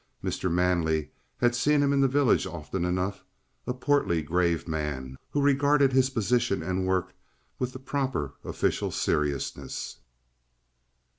Mr. Manley had seen him in the village often enough, a portly, grave man, who regarded his position and work with the proper official seriousness.